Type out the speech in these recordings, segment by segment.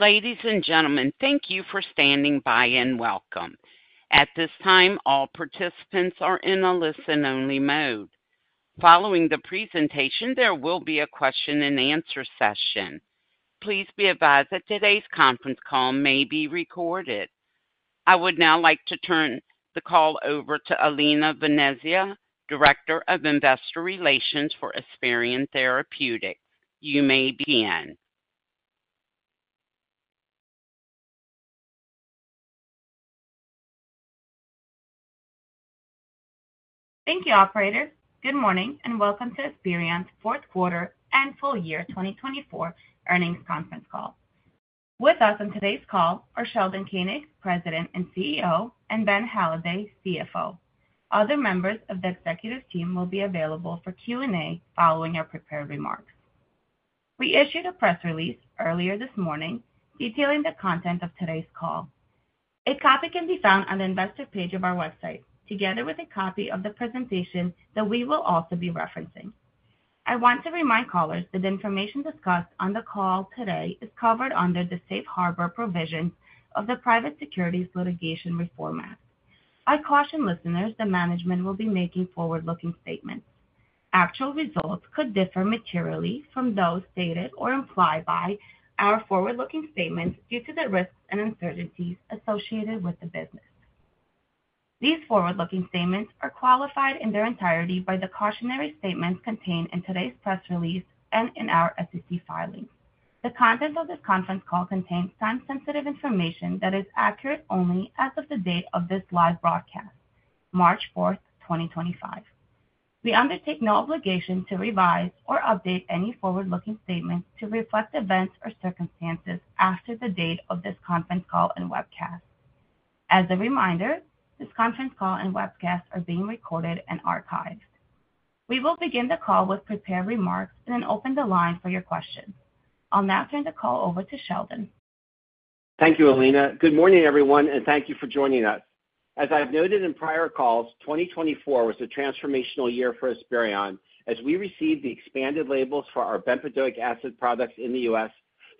Ladies and gentlemen, thank you for standing by and welcome. At this time, all participants are in a listen-only mode. Following the presentation, there will be a question-and-answer session. Please be advised that today's conference call may be recorded. I would now like to turn the call over to Alina Venezia, Director of Investor Relations for Esperion Therapeutics. You may begin. Thank you, Operator. Good morning and welcome to Esperion's fourth quarter and full year 2024 earnings conference call. With us on today's call are Sheldon Koenig, President and CEO, and Ben Halladay, CFO. Other members of the executive team will be available for Q&A following our prepared remarks. We issued a press release earlier this morning detailing the content of today's call. A copy can be found on the investor page of our website, together with a copy of the presentation that we will also be referencing. I want to remind callers that the information discussed on the call today is covered under the safe harbor provisions of the Private Securities Litigation Reform Act. I caution listeners that management will be making forward-looking statements. Actual results could differ materially from those stated or implied by our forward-looking statements due to the risks and uncertainties associated with the business. These forward-looking statements are qualified in their entirety by the cautionary statements contained in today's press release and in our SEC filings. The contents of this conference call contain time-sensitive information that is accurate only as of the date of this live broadcast, March 4th, 2025. We undertake no obligation to revise or update any forward-looking statements to reflect events or circumstances after the date of this conference call and webcast. As a reminder, this conference call and webcast are being recorded and archived. We will begin the call with prepared remarks and then open the line for your questions. I'll now turn the call over to Sheldon. Thank you, Alina. Good morning, everyone, and thank you for joining us. As I've noted in prior calls, 2024 was a transformational year for Esperion as we received the expanded labels for our bempedoic acid products in the US,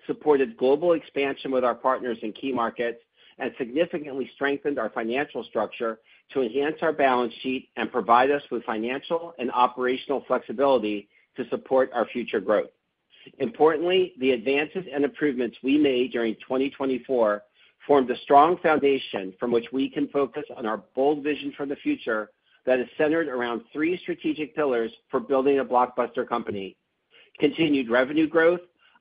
supported global expansion with our partners in key markets, and significantly strengthened our financial structure to enhance our balance sheet and provide us with financial and operational flexibility to support our future growth. Importantly, the advances and improvements we made during 2024 formed a strong foundation from which we can focus on our bold vision for the future that is centered around three strategic pillars for building a blockbuster company, continued revenue growth,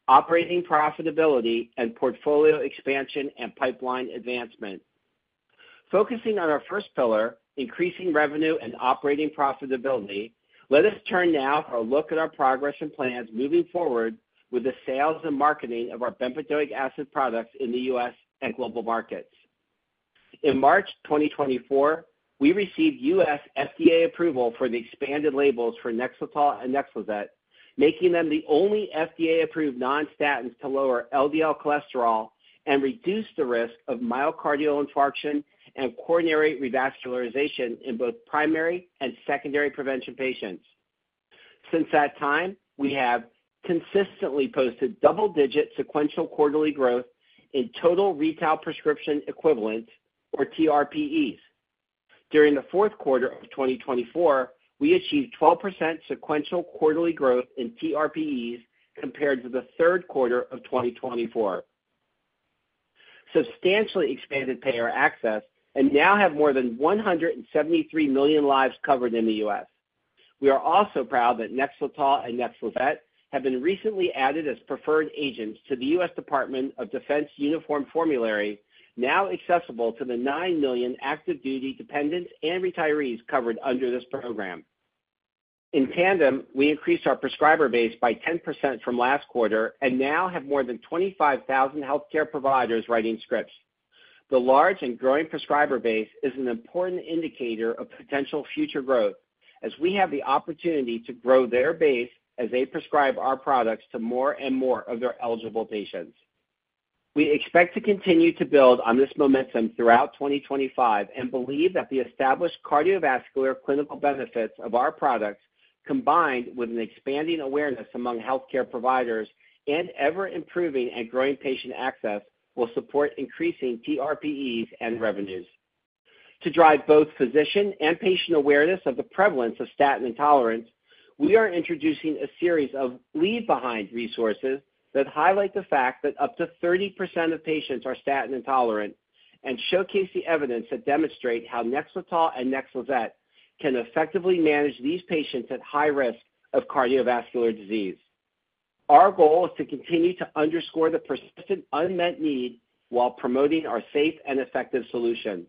operating profitability, and portfolio expansion and pipeline advancement. Focusing on our first pillar, increasing revenue and operating profitability, let us turn now for a look at our progress and plans moving forward with the sales and marketing of our bempedoic acid products in the US and global markets. In March 2024, we received US FDA approval for the expanded labels for Nexletol and Nexlizet, making them the only FDA-approved nonstatins to lower LDL cholesterol and reduce the risk of myocardial infarction and coronary revascularization in both primary and secondary prevention patients. Since that time, we have consistently posted double-digit sequential quarterly growth in total retail prescription equivalents, or TRxE. During the fourth quarter of 2024, we achieved 12% sequential quarterly growth in TRxE compared to the third quarter of 2024. Substantially expanded payer access and now have more than 173 million lives covered in the US. We are also proud that Nexletol and Nexlizet have been recently added as preferred agents to the US Department of Defense Uniform Formulary, now accessible to the 9 million active duty dependents and retirees covered under this program. In tandem, we increased our prescriber base by 10% from last quarter and now have more than 25,000 healthcare providers writing scripts. The large and growing prescriber base is an important indicator of potential future growth as we have the opportunity to grow their base as they prescribe our products to more and more of their eligible patients. We expect to continue to build on this momentum throughout 2025 and believe that the established cardiovascular clinical benefits of our products, combined with an expanding awareness among healthcare providers and ever-improving and growing patient access, will support increasing TRxEs and revenues. To drive both physician and patient awareness of the prevalence of statin intolerance, we are introducing a series of leave-behind resources that highlight the fact that up to 30% of patients are statin intolerant and showcase the evidence that demonstrates how Nexletol and Nexlizet can effectively manage these patients at high risk of cardiovascular disease. Our goal is to continue to underscore the persistent unmet need while promoting our safe and effective solution.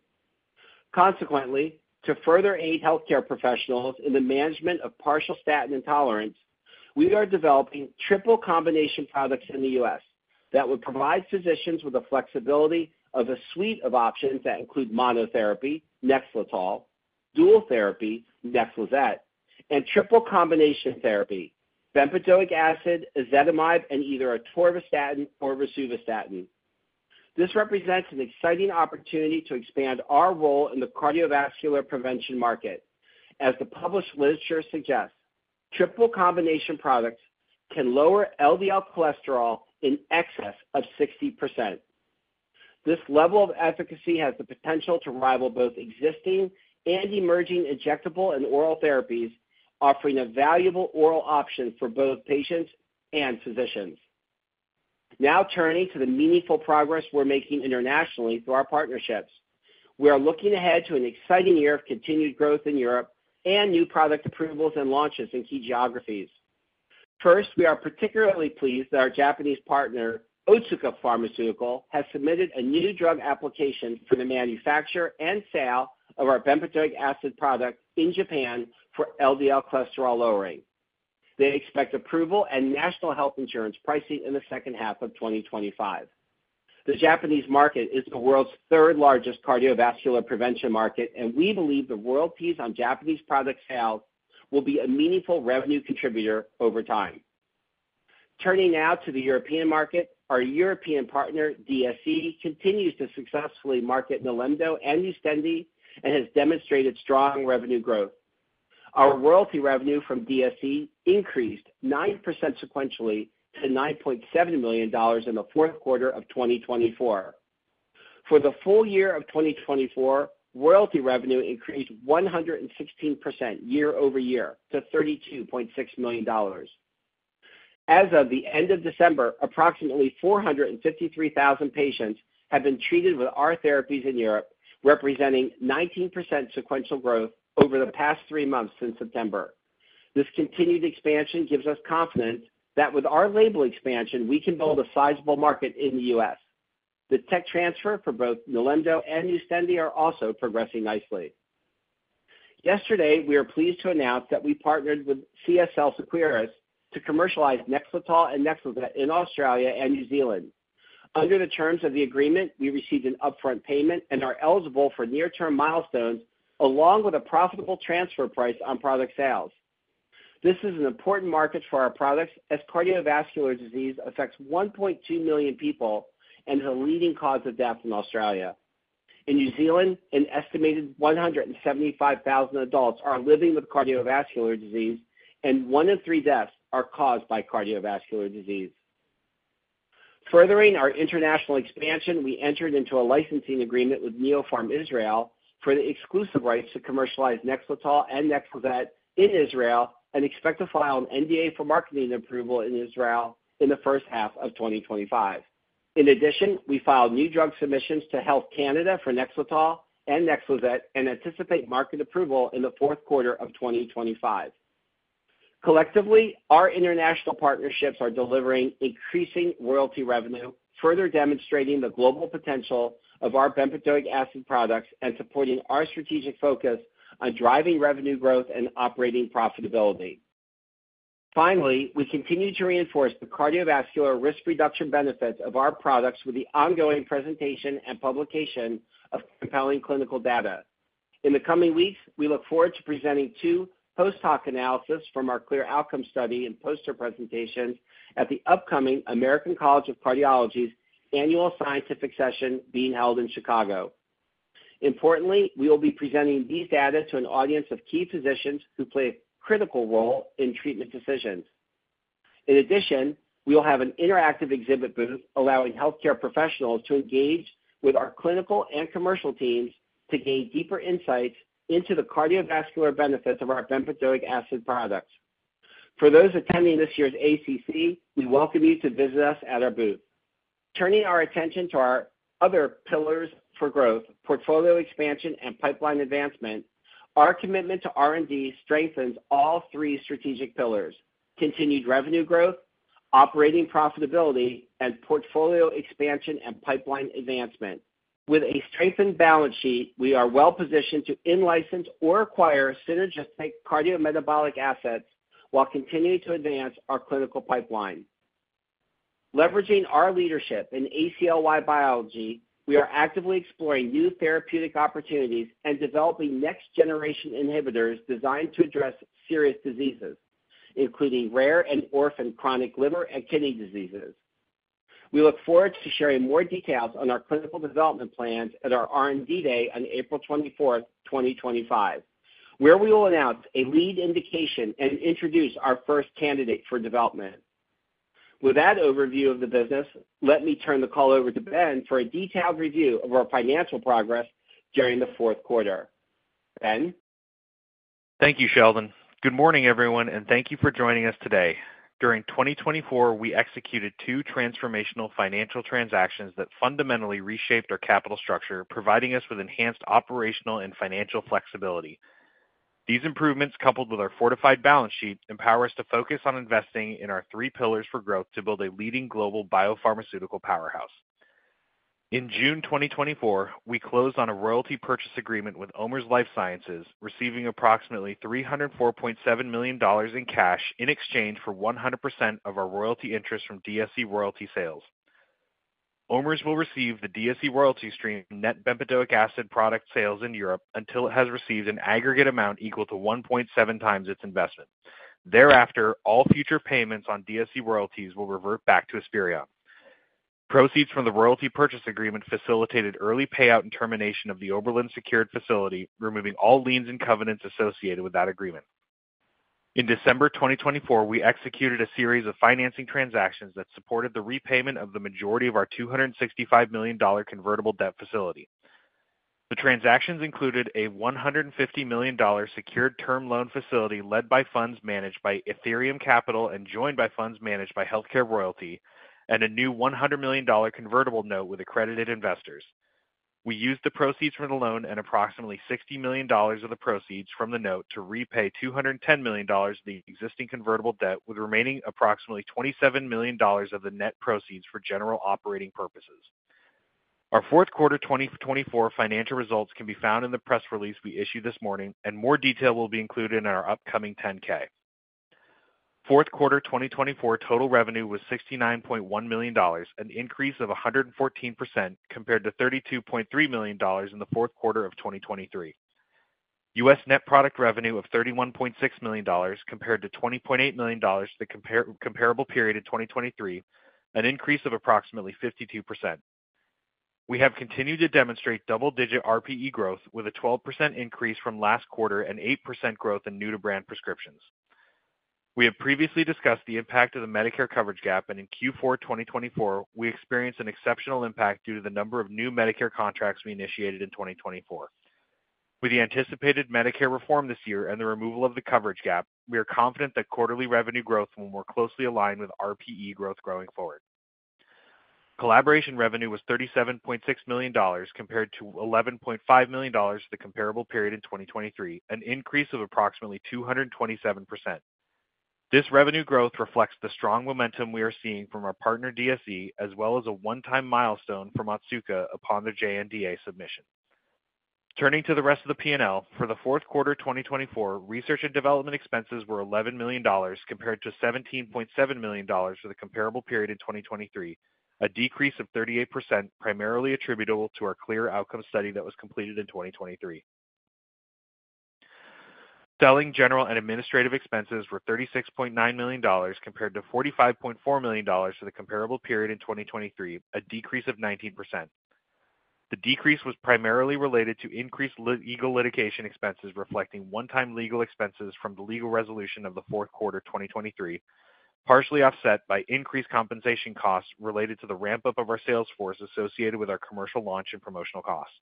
Consequently, to further aid healthcare professionals in the management of partial statin intolerance, we are developing triple combination products in the US that would provide physicians with the flexibility of a suite of options that include monotherapy, Nexletol, dual therapy, Nexlizet, and triple combination therapy, bempedoic acid, ezetimibe, and either atorvastatin or rosuvastatin. This represents an exciting opportunity to expand our role in the cardiovascular prevention market. As the published literature suggests, triple combination products can lower LDL cholesterol in excess of 60%. This level of efficacy has the potential to rival both existing and emerging injectable and oral therapies, offering a valuable oral option for both patients and physicians. Now turning to the meaningful progress we're making internationally through our partnerships, we are looking ahead to an exciting year of continued growth in Europe and new product approvals and launches in key geographies. First, we are particularly pleased that our Japanese partner, Otsuka Pharmaceutical, has submitted a New Drug Application for the manufacture and sale of our bempedoic acid product in Japan for LDL cholesterol lowering. They expect approval and National Health Insurance pricing in the second half of 2025. The Japanese market is the world's third-largest cardiovascular prevention market, and we believe the royalties on Japanese product sales will be a meaningful revenue contributor over time. Turning now to the European market, our European partner, DSE, continues to successfully market Nilemdo and Nustendi and has demonstrated strong revenue growth. Our royalty revenue from DSE increased 9% sequentially to $9.7 million in the fourth quarter of 2024. For the full year of 2024, royalty revenue increased 116% year over year to $32.6 million. As of the end of December, approximately 453,000 patients have been treated with our therapies in Europe, representing 19% sequential growth over the past three months since September. This continued expansion gives us confidence that with our label expansion, we can build a sizable market in the US. The tech transfer for both Nilemdo and Nustendi is also progressing nicely. Yesterday, we are pleased to announce that we partnered with CSL Seqirus to commercialize Nexletol and Nexlizet in Australia and New Zealand. Under the terms of the agreement, we received an upfront payment and are eligible for near-term milestones along with a profitable transfer price on product sales. This is an important market for our products as cardiovascular disease affects 1.2 million people and is a leading cause of death in Australia. In New Zealand, an estimated 175,000 adults are living with cardiovascular disease, and one in three deaths are caused by cardiovascular disease. Furthering our international expansion, we entered into a licensing agreement with Neopharm Israel for the exclusive rights to commercialize Nexletol and Nexlizet in Israel and expect to file an NDA for marketing approval in Israel in the first half of 2025. In addition, we filed New Drug Submissions to Health Canada for Nexletol and Nexlizet and anticipate market approval in the fourth quarter of 2025. Collectively, our international partnerships are delivering increasing royalty revenue, further demonstrating the global potential of our bempedoic acid products and supporting our strategic focus on driving revenue growth and operating profitability. Finally, we continue to reinforce the cardiovascular risk reduction benefits of our products with the ongoing presentation and publication of compelling clinical data. In the coming weeks, we look forward to presenting two post-hoc analyses from our CLEAR Outcomes study and poster presentations at the upcoming American College of Cardiology's annual scientific session being held in Chicago. Importantly, we will be presenting these data to an audience of key physicians who play a critical role in treatment decisions. In addition, we will have an interactive exhibit booth allowing healthcare professionals to engage with our clinical and commercial teams to gain deeper insights into the cardiovascular benefits of our bempedoic acid products. For those attending this year's ACC, we welcome you to visit us at our booth. Turning our attention to our other pillars for growth, portfolio expansion, and pipeline advancement, our commitment to R&D strengthens all three strategic pillars: continued revenue growth, operating profitability, and portfolio expansion and pipeline advancement. With a strengthened balance sheet, we are well-positioned to in-license or acquire synergistic cardiometabolic assets while continuing to advance our clinical pipeline. Leveraging our leadership in ACLY biology, we are actively exploring new therapeutic opportunities and developing next-generation inhibitors designed to address serious diseases, including rare and orphan chronic liver and kidney diseases. We look forward to sharing more details on our clinical development plans at our R&D Day on April 24th, 2025, where we will announce a lead indication and introduce our first candidate for development. With that overview of the business, let me turn the call over to Ben for a detailed review of our financial progress during the fourth quarter. Ben. Thank you, Sheldon. Good morning, everyone, and thank you for joining us today. During 2024, we executed two transformational financial transactions that fundamentally reshaped our capital structure, providing us with enhanced operational and financial flexibility. These improvements, coupled with our fortified balance sheet, empower us to focus on investing in our three pillars for growth to build a leading global biopharmaceutical powerhouse. In June 2024, we closed on a royalty purchase agreement with OMERS Life Sciences, receiving approximately $304.7 million in cash in exchange for 100% of our royalty interest from DSE royalty sales. OMERS will receive the DSE royalty stream net bempedoic acid product sales in Europe until it has received an aggregate amount equal to 1.7 times its investment. Thereafter, all future payments on DSE royalties will revert back to Esperion. Proceeds from the royalty purchase agreement facilitated early payout and termination of the Oberland Secured facility, removing all liens and covenants associated with that agreement. In December 2024, we executed a series of financing transactions that supported the repayment of the majority of our $265 million convertible debt facility. The transactions included a $150 million secured term loan facility led by funds managed by Athyrium Capital and joined by funds managed by HealthCare Royalty, and a new $100 million convertible note with accredited investors. We used the proceeds from the loan and approximately $60 million of the proceeds from the note to repay $210 million of the existing convertible debt, with remaining approximately $27 million of the net proceeds for general operating purposes. Our fourth quarter 2024 financial results can be found in the press release we issued this morning, and more detail will be included in our upcoming 10-K. Fourth quarter 2024 total revenue was $69.1 million, an increase of 114% compared to $32.3 million in the fourth quarter of 2023. US net product revenue of $31.6 million compared to $20.8 million for the comparable period in 2023, an increase of approximately 52%. We have continued to demonstrate double-digit RPE growth with a 12% increase from last quarter and 8% growth in new-to-brand prescriptions. We have previously discussed the impact of the Medicare coverage gap, and in Q4 2024, we experienced an exceptional impact due to the number of new Medicare contracts we initiated in 2024. With the anticipated Medicare reform this year and the removal of the coverage gap, we are confident that quarterly revenue growth will more closely align with RPE growth going forward. Collaboration revenue was $37.6 million compared to $11.5 million for the comparable period in 2023, an increase of approximately 227%. This revenue growth reflects the strong momentum we are seeing from our partner DSE, as well as a one-time milestone from Otsuka upon the JNDA submission. Turning to the rest of the P&L, for the fourth quarter 2024, research and development expenses were $11 million compared to $17.7 million for the comparable period in 2023, a decrease of 38% primarily attributable to our CLEAR Outcomes study that was completed in 2023. Selling, general and administrative expenses were $36.9 million compared to $45.4 million for the comparable period in 2023, a decrease of 19%. The decrease was primarily related to increased legal litigation expenses reflecting one-time legal expenses from the legal resolution of the fourth quarter 2023, partially offset by increased compensation costs related to the ramp-up of our sales force associated with our commercial launch and promotional costs.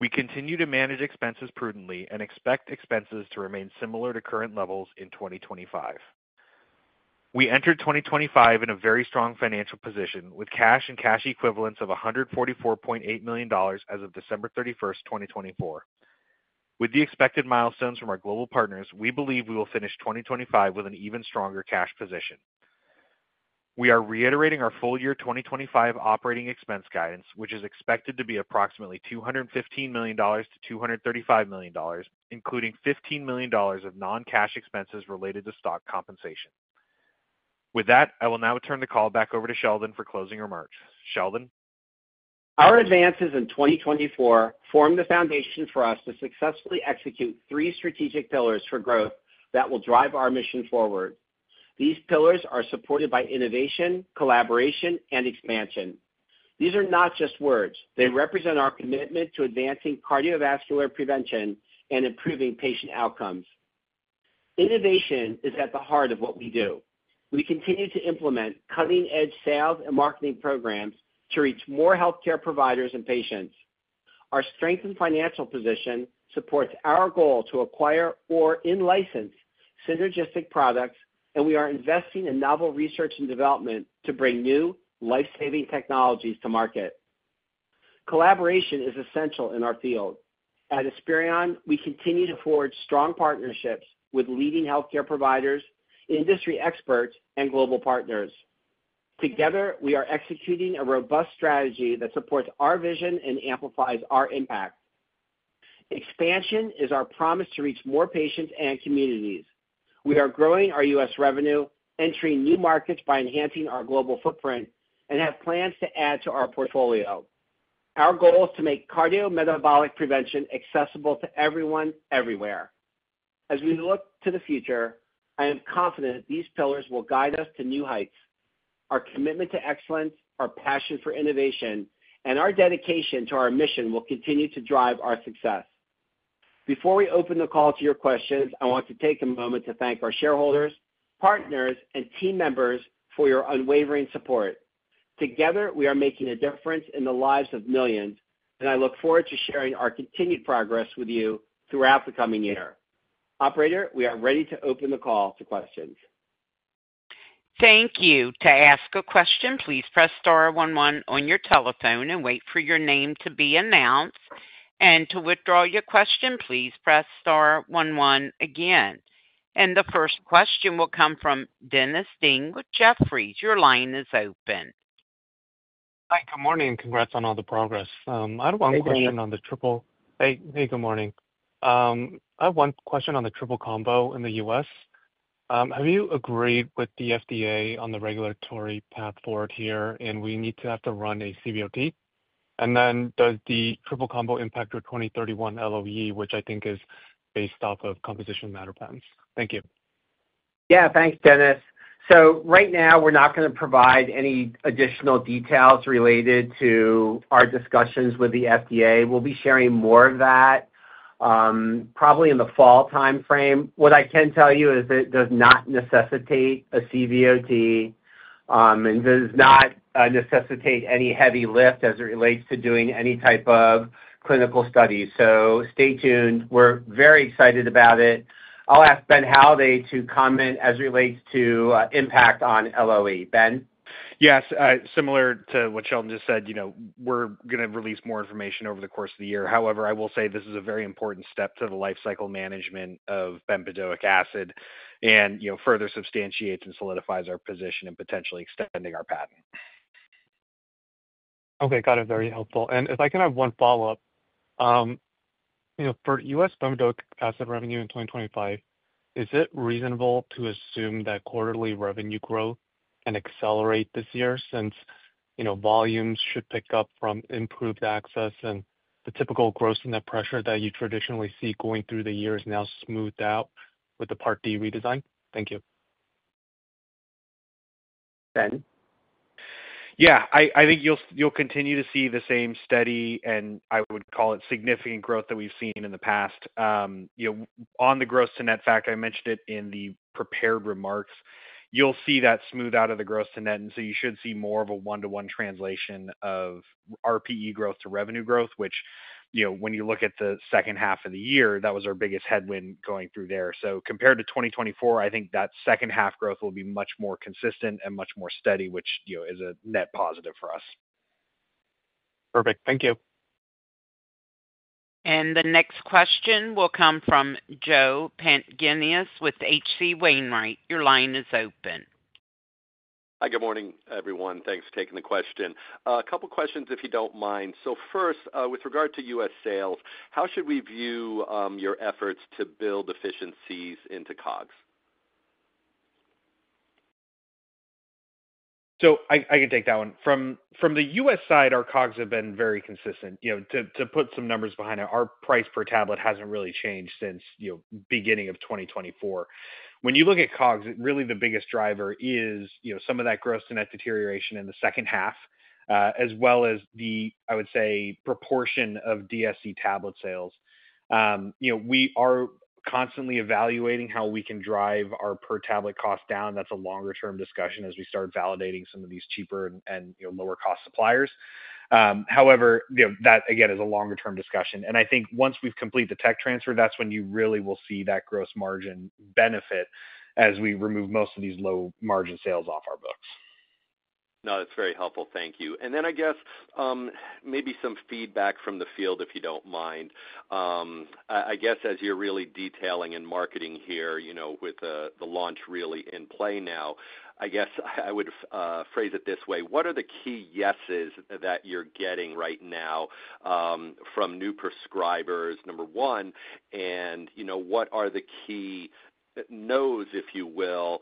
We continue to manage expenses prudently and expect expenses to remain similar to current levels in 2025. We entered 2025 in a very strong financial position with cash and cash equivalents of $144.8 million as of December 31, 2024. With the expected milestones from our global partners, we believe we will finish 2025 with an even stronger cash position. We are reiterating our full year 2025 operating expense guidance, which is expected to be approximately $215 million-$235 million, including $15 million of non-cash expenses related to stock compensation. With that, I will now turn the call back over to Sheldon for closing remarks. Sheldon. Our advances in 2024 form the foundation for us to successfully execute three strategic pillars for growth that will drive our mission forward. These pillars are supported by innovation, collaboration, and expansion. These are not just words; they represent our commitment to advancing cardiovascular prevention and improving patient outcomes. Innovation is at the heart of what we do. We continue to implement cutting-edge sales and marketing programs to reach more healthcare providers and patients. Our strengthened financial position supports our goal to acquire or in-license synergistic products, and we are investing in novel research and development to bring new lifesaving technologies to market. Collaboration is essential in our field. At Esperion, we continue to forge strong partnerships with leading healthcare providers, industry experts, and global partners. Together, we are executing a robust strategy that supports our vision and amplifies our impact. Expansion is our promise to reach more patients and communities. We are growing our US revenue, entering new markets by enhancing our global footprint, and have plans to add to our portfolio. Our goal is to make cardiometabolic prevention accessible to everyone, everywhere. As we look to the future, I am confident these pillars will guide us to new heights. Our commitment to excellence, our passion for innovation, and our dedication to our mission will continue to drive our success. Before we open the call to your questions, I want to take a moment to thank our shareholders, partners, and team members for your unwavering support. Together, we are making a difference in the lives of millions, and I look forward to sharing our continued progress with you throughout the coming year. Operator, we are ready to open the call to questions. Thank you. To ask a question, please press star one one on your telephone and wait for your name to be announced. To withdraw your question, please press star one one again. The first question will come from Dennis Ding with Jefferies. Your line is open. Hi, good morning. Congrats on all the progress. I have one question on the triple. Thank you. Hey, good morning. I have one question on the triple combo in the US. Have you agreed with the FDA on the regulatory path forward here, and do we need to have to run a CVOT? Does the triple combo impact your 2031 LOE, which I think is based off of Composition Matter patents? Thank you. Yeah, thanks, Dennis. Right now, we're not going to provide any additional details related to our discussions with the FDA. We'll be sharing more of that probably in the fall timeframe. What I can tell you is it does not necessitate a CVOT and does not necessitate any heavy lift as it relates to doing any type of clinical studies. Stay tuned. We're very excited about it. I'll ask Ben Halladay to comment as it relates to impact on LOE. Ben? Yes. Similar to what Sheldon just said, we're going to release more information over the course of the year. However, I will say this is a very important step to the lifecycle management of bempedoic acid and further substantiates and solidifies our position and potentially extending our patent. Okay. Got it. Very helpful. If I can have one follow-up. For US bempedoic acid revenue in 2025, is it reasonable to assume that quarterly revenue growth can accelerate this year since volumes should pick up from improved access and the typical gross-to-net pressure that you traditionally see going through the year is now smoothed out with the Part D redesign? Thank you. Ben? Yeah. I think you'll continue to see the same steady, and I would call it significant growth that we've seen in the past. On the gross-to-net front, I mentioned it in the prepared remarks. You'll see that smooth out of the gross-to-net, and so you should see more of a one-to-one translation of RPE growth to revenue growth, which when you look at the second half of the year, that was our biggest headwind going through there. Compared to 2024, I think that second-half growth will be much more consistent and much more steady, which is a net positive for us. Perfect. Thank you. The next question will come from Joe Pantginis with H.C. Wainwright. Your line is open. Hi, good morning, everyone. Thanks for taking the question. A couple of questions, if you don't mind. First, with regard to US sales, how should we view your efforts to build efficiencies into COGS? I can take that one. From the US side, our COGS have been very consistent. To put some numbers behind it, our price per tablet has not really changed since the beginning of 2024. When you look at COGS, really the biggest driver is some of that gross-to-net deterioration in the second half, as well as the, I would say, proportion of DSE tablet sales. We are constantly evaluating how we can drive our per tablet cost down. That is a longer-term discussion as we start validating some of these cheaper and lower-cost suppliers. However, that, again, is a longer-term discussion. I think once we have completed the tech transfer, that is when you really will see that gross margin benefit as we remove most of these low-margin sales off our books. No, that's very helpful. Thank you. I guess maybe some feedback from the field, if you don't mind. I guess as you're really detailing and marketing here with the launch really in play now, I guess I would phrase it this way. What are the key yeses that you're getting right now from new prescribers, number one? What are the key no's, if you will?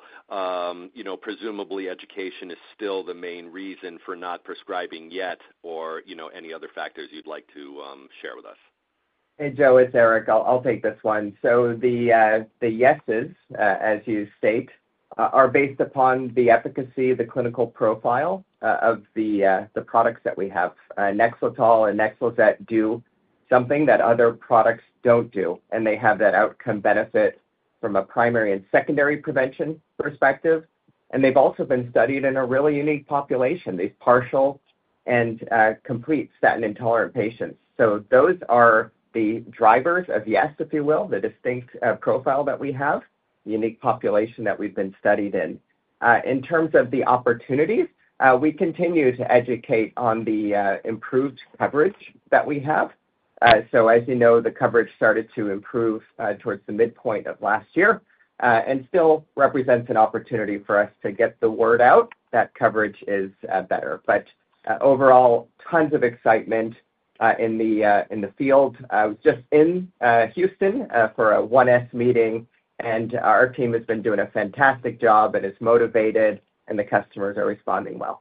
Presumably, education is still the main reason for not prescribing yet or any other factors you'd like to share with us. Hey, Joe, it's Eric. I'll take this one. The yeses, as you state, are based upon the efficacy, the clinical profile of the products that we have. Nexletol and Nexlizet do something that other products don't do, and they have that outcome benefit from a primary and secondary prevention perspective. They've also been studied in a really unique population, these partial and complete statin-intolerant patients. Those are the drivers of yes, if you will, the distinct profile that we have, the unique population that we've been studied in. In terms of the opportunities, we continue to educate on the improved coverage that we have. As you know, the coverage started to improve towards the midpoint of last year and still represents an opportunity for us to get the word out that coverage is better. Overall, tons of excitement in the field. I was just in Houston for a 1S meeting, and our team has been doing a fantastic job. It is motivated, and the customers are responding well.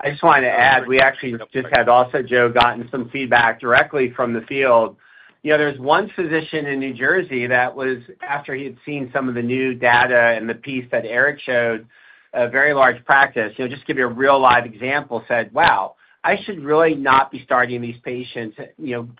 I just wanted to add, we actually just had also, Joe, gotten some feedback directly from the field. There's one physician in New Jersey that was, after he had seen some of the new data and the piece that Eric showed, a very large practice, just to give you a real live example, said, "Wow, I should really not be starting these patients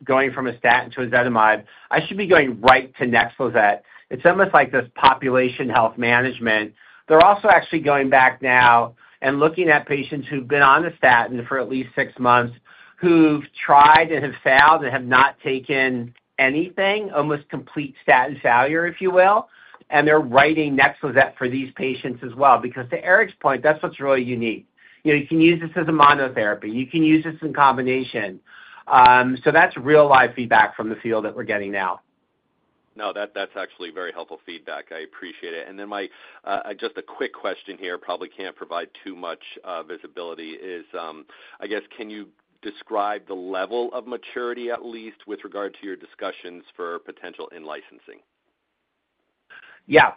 going from a statin to ezetimibe. I should be going right to Nexlizet." It's almost like this population health management. They're also actually going back now and looking at patients who've been on a statin for at least six months, who've tried and have failed and have not taken anything, almost complete statin failure, if you will. They're writing Nexlizet for these patients as well. Because to Eric's point, that's what's really unique. You can use this as a monotherapy. You can use this in combination. That's real-life feedback from the field that we're getting now. No, that's actually very helpful feedback. I appreciate it. Just a quick question here, probably can't provide too much visibility, is I guess, can you describe the level of maturity, at least with regard to your discussions for potential in-licensing? Yeah.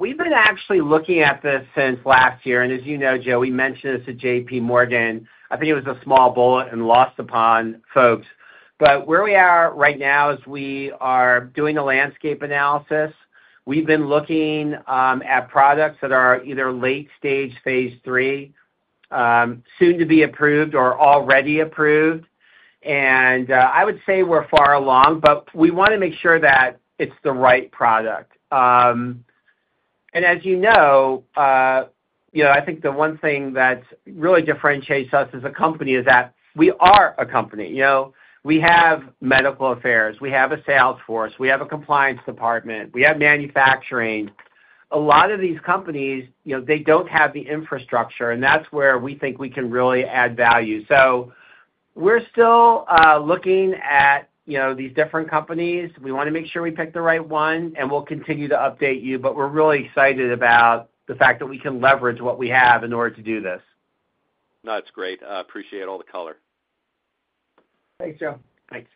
We've been actually looking at this since last year. As you know, Joe, we mentioned this to J.P. Morgan. I think it was a small bullet and lost upon folks. Where we are right now is we are doing a landscape analysis. We've been looking at products that are either late-stage Phase 3, soon to be approved, or already approved. I would say we're far along, but we want to make sure that it's the right product. As you know, I think the one thing that really differentiates us as a company is that we are a company. We have medical affairs. We have a sales force. We have a compliance department. We have manufacturing. A lot of these companies, they don't have the infrastructure, and that's where we think we can really add value. We're still looking at these different companies. We want to make sure we pick the right one, and we'll continue to update you, but we're really excited about the fact that we can leverage what we have in order to do this. That's great. Appreciate all the color. Thanks, Joe. Thanks.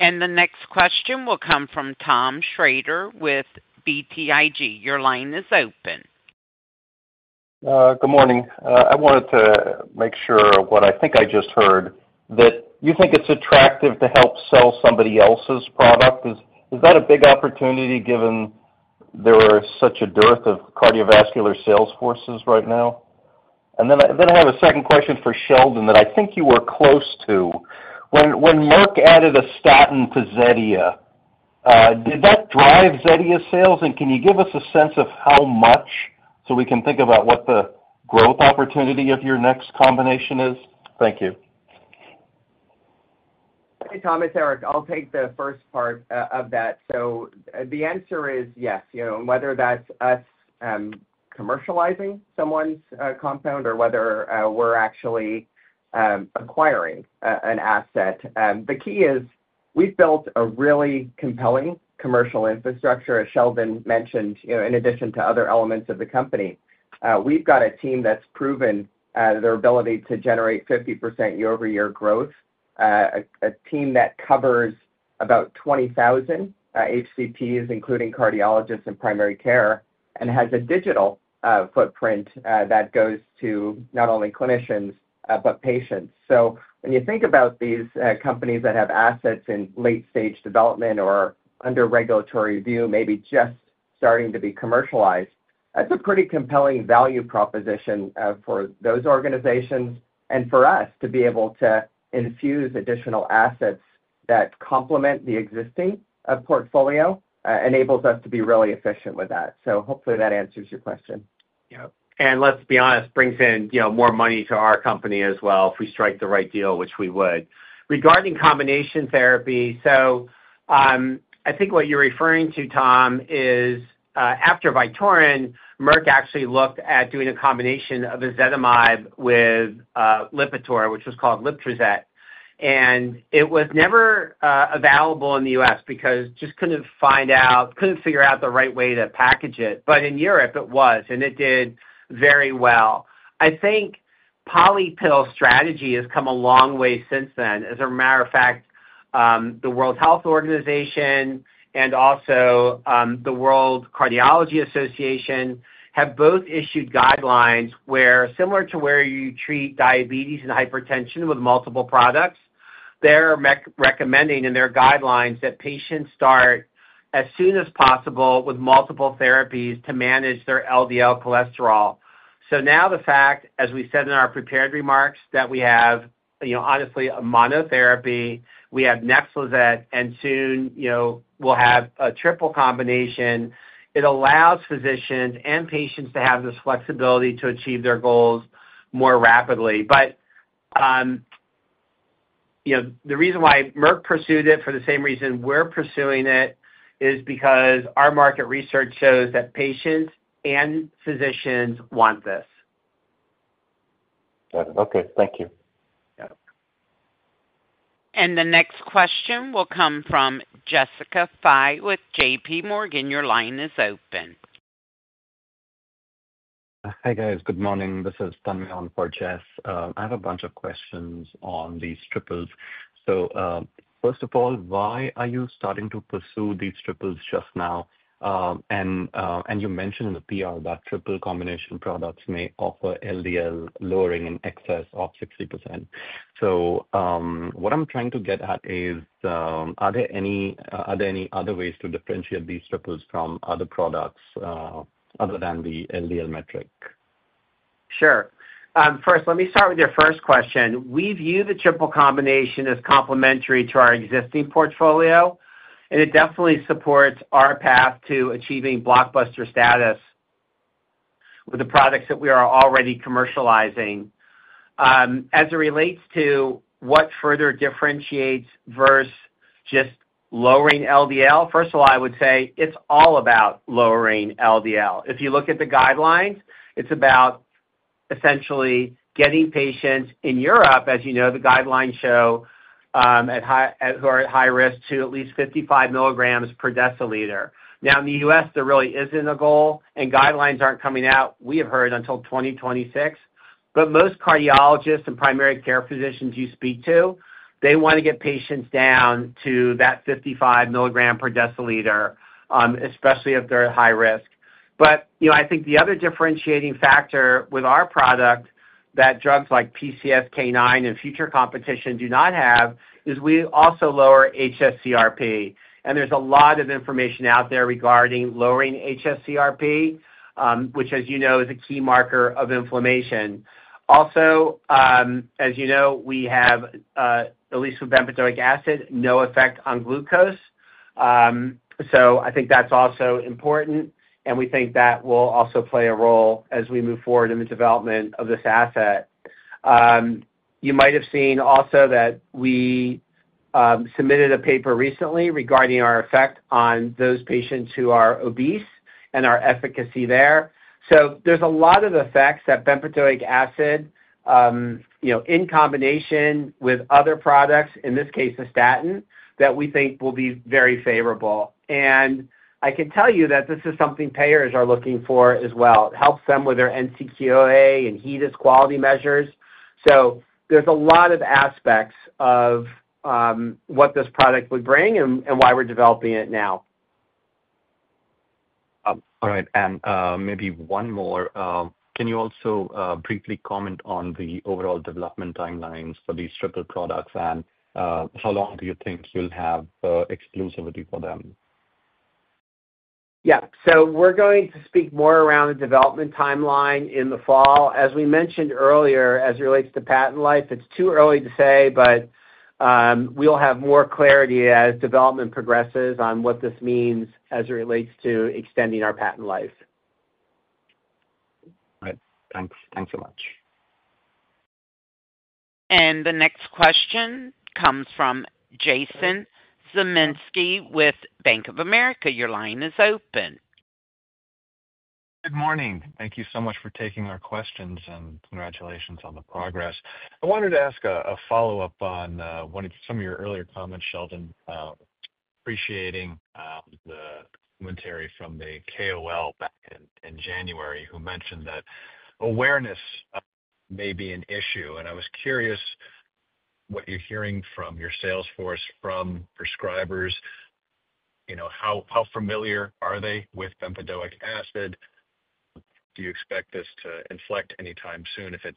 The next question will come from Tom Shrader with BTIG. Your line is open. Good morning. I wanted to make sure what I think I just heard, that you think it's attractive to help sell somebody else's product. Is that a big opportunity given there is such a dearth of cardiovascular sales forces right now? I have a second question for Sheldon that I think you were close to. When Merck added a statin to Zetia, did that drive Zetia sales? Can you give us a sense of how much so we can think about what the growth opportunity of your next combination is? Thank you. Hey, Tom, it's Eric. I'll take the first part of that. The answer is yes. Whether that's us commercializing someone's compound or whether we're actually acquiring an asset, the key is we've built a really compelling commercial infrastructure, as Sheldon mentioned, in addition to other elements of the company. We've got a team that's proven their ability to generate 50% year-over-year growth, a team that covers about 20,000 HCPs, including cardiologists and primary care, and has a digital footprint that goes to not only clinicians but patients. When you think about these companies that have assets in late-stage development or under regulatory review, maybe just starting to be commercialized, that's a pretty compelling value proposition for those organizations and for us to be able to infuse additional assets that complement the existing portfolio, enables us to be really efficient with that. Hopefully, that answers your question. Yeah. Let's be honest, brings in more money to our company as well if we strike the right deal, which we would. Regarding combination therapy, I think what you're referring to, Tom, is after Vytorin, Merck actually looked at doing a combination of ezetimibe with Lipitor, which was called Liptruzet. It was never available in the US because just couldn't figure out the right way to package it. In Europe, it was, and it did very well. I think polypill strategy has come a long way since then. As a matter of fact, the World Health Organization and also the World Cardiology Association have both issued guidelines where, similar to where you treat diabetes and hypertension with multiple products, they're recommending in their guidelines that patients start as soon as possible with multiple therapies to manage their LDL cholesterol. As we said in our prepared remarks, we have, honestly, a monotherapy, we have Nexlizet, and soon we'll have a triple combination. It allows physicians and patients to have this flexibility to achieve their goals more rapidly. The reason why Merck pursued it for the same reason we're pursuing it is because our market research shows that patients and physicians want this. Got it. Okay. Thank you. The next question will come from Jessica Fye with J.P. Morgan. Your line is open. Hi guys. Good morning. This is Tanmay on for Jess. I have a bunch of questions on these triples. First of all, why are you starting to pursue these triples just now? You mentioned in the PR that triple combination products may offer LDL lowering in excess of 60%. What I'm trying to get at is, are there any other ways to differentiate these triples from other products other than the LDL metric? Sure. First, let me start with your first question. We view the triple combination as complementary to our existing portfolio, and it definitely supports our path to achieving blockbuster status with the products that we are already commercializing. As it relates to what further differentiates versus just lowering LDL, first of all, I would say it's all about lowering LDL. If you look at the guidelines, it's about essentially getting patients in Europe, as you know, the guidelines show who are at high risk to at least 55 milligrams per deciliter. Now, in the U.S., there really isn't a goal, and guidelines aren't coming out, we have heard, until 2026. Most cardiologists and primary care physicians you speak to, they want to get patients down to that 55 milligram per deciliter, especially if they're at high risk. I think the other differentiating factor with our product that drugs like PCSK9 and future competition do not have is we also lower hsCRP. There is a lot of information out there regarding lowering hsCRP, which, as you know, is a key marker of inflammation. Also, as you know, we have, at least with bempedoic acid, no effect on glucose. I think that's also important, and we think that will also play a role as we move forward in the development of this asset. You might have seen also that we submitted a paper recently regarding our effect on those patients who are obese and our efficacy there. There are a lot of effects that bempedoic acid, in combination with other products, in this case, a statin, that we think will be very favorable. I can tell you that this is something payers are looking for as well. It helps them with their NCQA and HEDIS quality measures. There are a lot of aspects of what this product would bring and why we're developing it now. All right. Maybe one more. Can you also briefly comment on the overall development timelines for these triple products and how long do you think you'll have exclusivity for them? Yeah. We are going to speak more around the development timeline in the fall. As we mentioned earlier, as it relates to patent life, it is too early to say, but we will have more clarity as development progresses on what this means as it relates to extending our patent life. All right. Thanks. Thanks so much. The next question comes from Jason Zemansky with Bank of America. Your line is open. Good morning. Thank you so much for taking our questions, and congratulations on the progress. I wanted to ask a follow-up on some of your earlier comments, Sheldon. Appreciating the commentary from the KOL back in January, who mentioned that awareness may be an issue. I was curious what you're hearing from your sales force, from prescribers. How familiar are they with bempedoic acid? Do you expect this to inflect anytime soon if it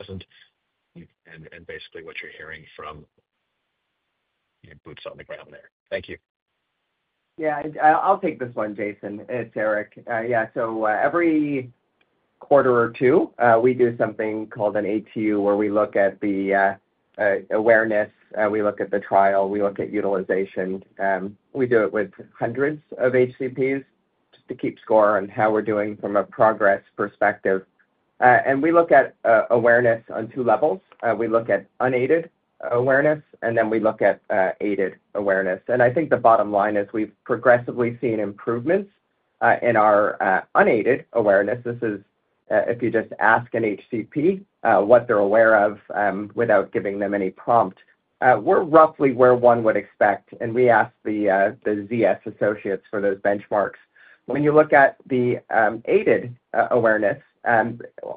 hasn't? Basically, what you're hearing from boots on the ground there. Thank you. Yeah. I'll take this one, Jason. It's Eric. Every quarter or two, we do something called an ATU where we look at the awareness. We look at the trial. We look at utilization. We do it with hundreds of HCPs just to keep score on how we're doing from a progress perspective. We look at awareness on two levels. We look at unaided awareness, and then we look at aided awareness. I think the bottom line is we've progressively seen improvements in our unaided awareness. This is if you just ask an HCP what they're aware of without giving them any prompt. We're roughly where one would expect, and we asked the ZS Associates for those benchmarks. When you look at the aided awareness,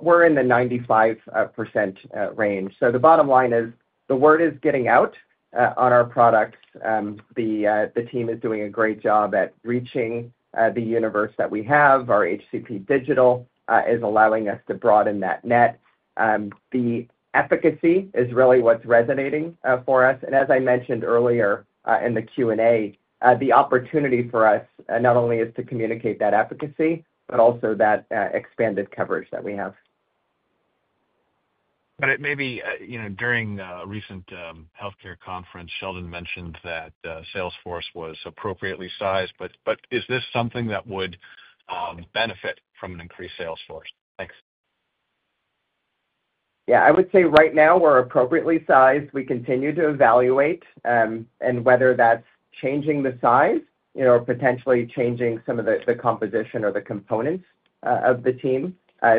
we're in the 95% range. The bottom line is the word is getting out on our products. The team is doing a great job at reaching the universe that we have. Our HCP digital is allowing us to broaden that net. The efficacy is really what's resonating for us. As I mentioned earlier in the Q&A, the opportunity for us not only is to communicate that efficacy, but also that expanded coverage that we have. It may be during a recent healthcare conference, Sheldon mentioned that sales force was appropriately sized. Is this something that would benefit from an increased sales force? Thanks. Yeah. I would say right now we're appropriately sized. We continue to evaluate and whether that's changing the size or potentially changing some of the composition or the components of the team.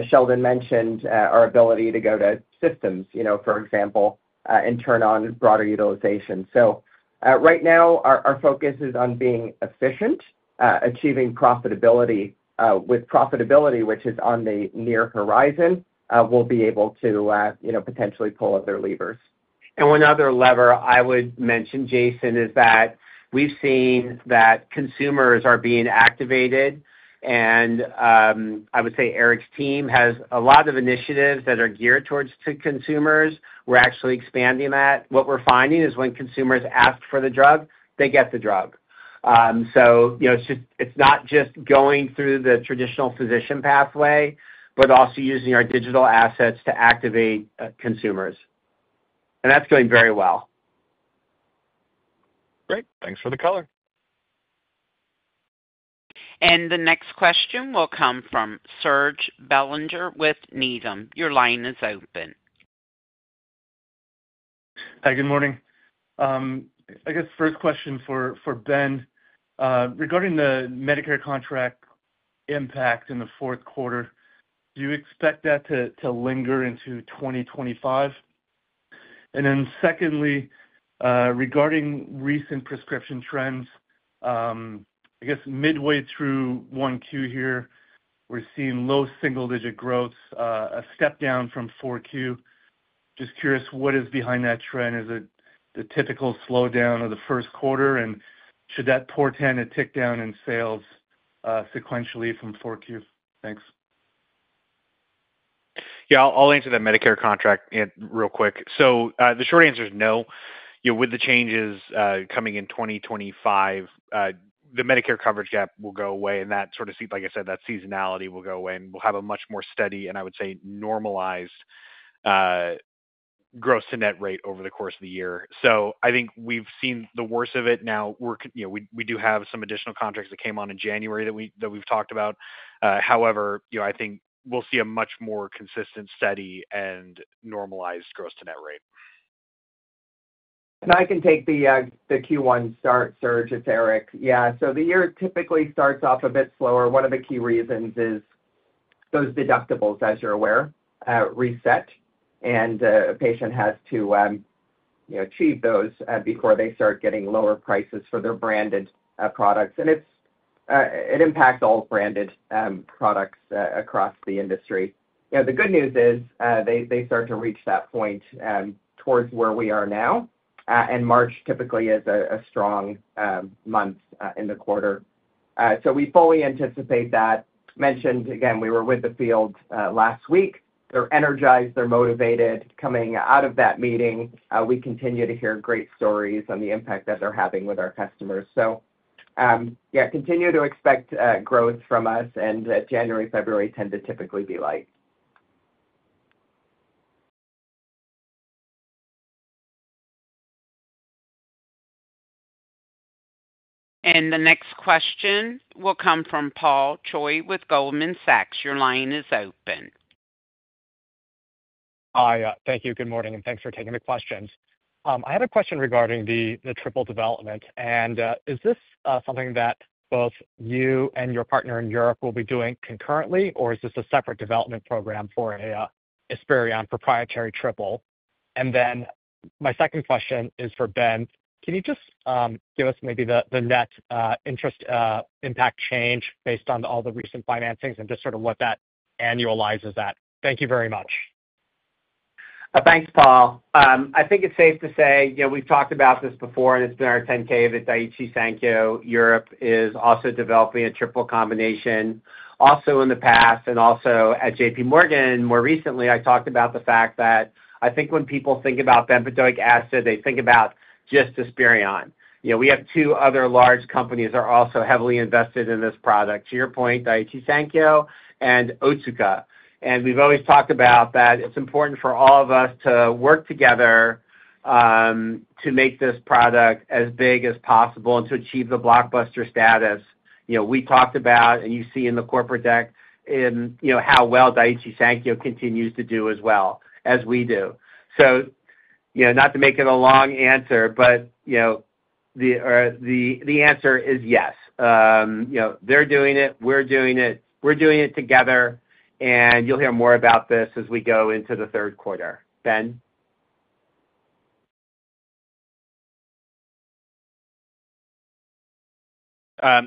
Sheldon mentioned our ability to go to systems, for example, and turn on broader utilization. Right now, our focus is on being efficient, achieving profitability. With profitability, which is on the near horizon, we'll be able to potentially pull other levers. One other lever I would mention, Jason, is that we've seen that consumers are being activated. I would say Eric's team has a lot of initiatives that are geared towards consumers. We're actually expanding that. What we're finding is when consumers ask for the drug, they get the drug. It's not just going through the traditional physician pathway, but also using our digital assets to activate consumers. That's going very well. Great. Thanks for the color. The next question will come from Serge Belanger with Needham. Your line is open. Hi, good morning. I guess first question for Ben regarding the Medicare contract impact in the fourth quarter. Do you expect that to linger into 2025? Secondly, regarding recent prescription trends, I guess midway through 1Q here, we're seeing low single-digit growth, a step down from 4Q. Just curious, what is behind that trend? Is it the typical slowdown of the first quarter? Should that portend a tick down in sales sequentially from 4Q? Thanks. Yeah. I'll answer that Medicare contract real quick. The short answer is no. With the changes coming in 2025, the Medicare coverage gap will go away. That sort of, like I said, that seasonality will go away, and we'll have a much more steady, and I would say normalized gross-to-net rate over the course of the year. I think we've seen the worst of it. Now, we do have some additional contracts that came on in January that we've talked about. However, I think we'll see a much more consistent steady and normalized gross-to-net rate. I can take the Q1 start, Serge. It's Eric. Yeah. The year typically starts off a bit slower. One of the key reasons is those deductibles, as you're aware, reset, and a patient has to achieve those before they start getting lower prices for their branded products. It impacts all branded products across the industry. The good news is they start to reach that point towards where we are now. March typically is a strong month in the quarter. We fully anticipate that. Mentioned, again, we were with the field last week. They're energized. They're motivated. Coming out of that meeting, we continue to hear great stories on the impact that they're having with our customers. Yeah, continue to expect growth from us. January, February tend to typically be light. The next question will come from Paul Choi with Goldman Sachs. Your line is open. Hi. Thank you. Good morning. Thanks for taking the questions. I had a question regarding the triple development. Is this something that both you and your partner in Europe will be doing concurrently, or is this a separate development program for an Esperion proprietary triple? My second question is for Ben. Can you just give us maybe the net interest impact change based on all the recent financings and just sort of what that annualizes at? Thank you very much. Thanks, Paul. I think it's safe to say we've talked about this before, and it's been our 10-K with Daiichi Sankyo. Europe is also developing a triple combination, also in the past, and also at J.P. Morgan. More recently, I talked about the fact that I think when people think about bempedoic acid, they think about just Esperion. We have two other large companies that are also heavily invested in this product. To your point, Daiichi Sankyo and Otsuka. We have always talked about that it's important for all of us to work together to make this product as big as possible and to achieve the blockbuster status. We talked about, and you see in the corporate deck, how well Daiichi Sankyo continues to do as well as we do. Not to make it a long answer, but the answer is yes. They're doing it. We're doing it. We're doing it together. You will hear more about this as we go into the third quarter. Ben?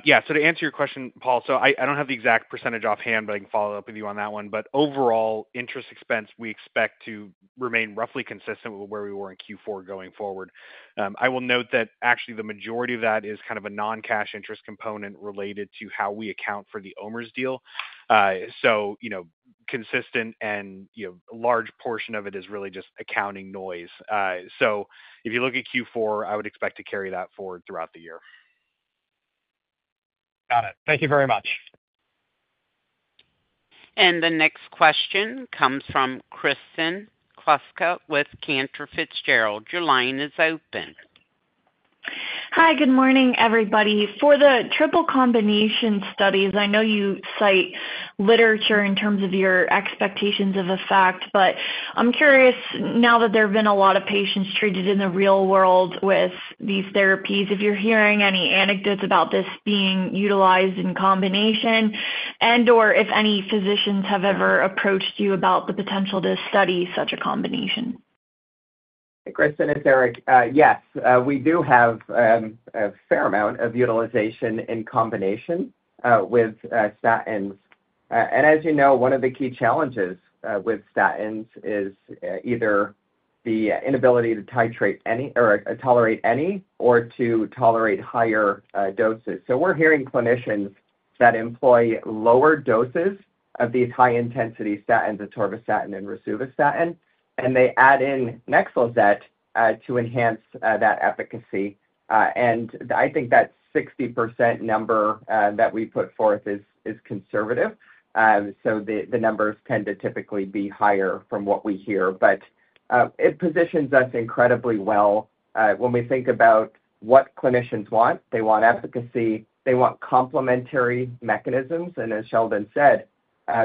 Yeah. To answer your question, Paul, I do not have the exact percentage offhand, but I can follow up with you on that one. Overall interest expense, we expect to remain roughly consistent with where we were in Q4 going forward. I will note that actually the majority of that is kind of a non-cash interest component related to how we account for the OMERS deal. Consistent and a large portion of it is really just accounting noise. If you look at Q4, I would expect to carry that forward throughout the year. Got it. Thank you very much. The next question comes from Kristen Kluska with Cantor Fitzgerald. Your line is open. Hi, good morning, everybody. For the triple combination studies, I know you cite literature in terms of your expectations of effect, but I'm curious now that there have been a lot of patients treated in the real world with these therapies, if you're hearing any anecdotes about this being utilized in combination and/or if any physicians have ever approached you about the potential to study such a combination? Kristen and Eric, yes. We do have a fair amount of utilization in combination with statins. And as you know, one of the key challenges with statins is either the inability to tolerate any or to tolerate higher doses. We are hearing clinicians that employ lower doses of these high-intensity statins, atorvastatin and rosuvastatin, and they add in Nexlizet to enhance that efficacy. I think that 60% number that we put forth is conservative. The numbers tend to typically be higher from what we hear. It positions us incredibly well when we think about what clinicians want. They want efficacy. They want complementary mechanisms. As Sheldon said,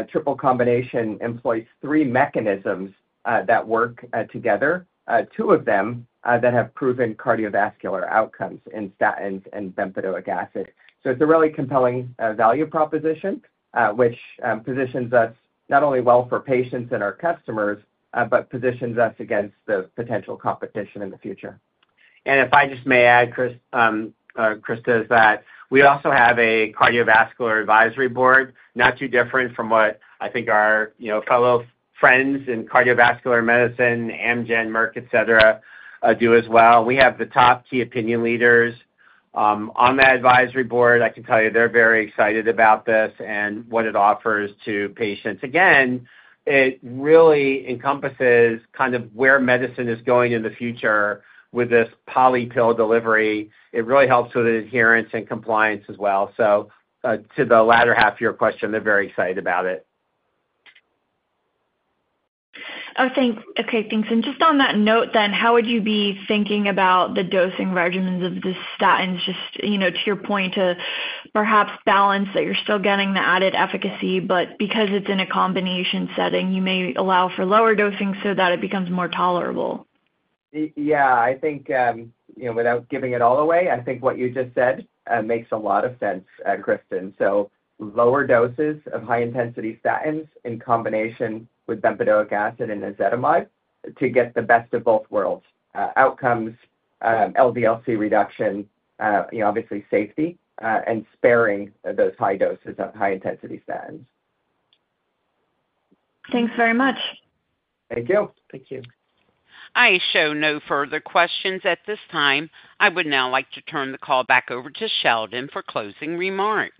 triple combination employs three mechanisms that work together, two of them that have proven cardiovascular outcomes in statins and bempedoic acid. It is a really compelling value proposition, which positions us not only well for patients and our customers, but positions us against the potential competition in the future. If I just may add, Kristen, we also have a cardiovascular advisory board, not too different from what I think our fellow friends in cardiovascular medicine, Amgen, Merck, etc., do as well. We have the top key opinion leaders on that advisory board. I can tell you they are very excited about this and what it offers to patients. Again, it really encompasses kind of where medicine is going in the future with this polypill delivery. It really helps with adherence and compliance as well. To the latter half of your question, they are very excited about it. Okay. Thanks. Just on that note then, how would you be thinking about the dosing regimens of the statins? Just to your point, to perhaps balance that you're still getting the added efficacy, but because it's in a combination setting, you may allow for lower dosing so that it becomes more tolerable. Yeah. I think without giving it all away, I think what you just said makes a lot of sense, Kristin. Lower doses of high-intensity statins in combination with bempedoic acid and ezetimibe to get the best of both worlds: outcomes, LDL cholesterol reduction, obviously safety, and sparing those high doses of high-intensity statins. Thanks very much. Thank you. Thank you. I show no further questions at this time. I would now like to turn the call back over to Sheldon for closing remarks.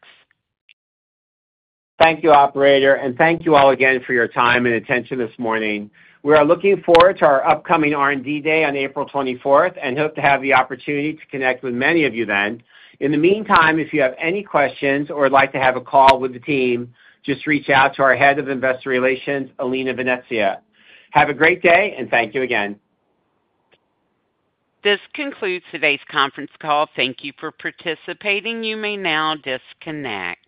Thank you, operator. Thank you all again for your time and attention this morning. We are looking forward to our upcoming R&D Day on April 24th and hope to have the opportunity to connect with many of you then. In the meantime, if you have any questions or would like to have a call with the team, just reach out to our Head of Investor Relations, Alina Venezia. Have a great day, and thank you again. This concludes today's conference call. Thank you for participating. You may now disconnect.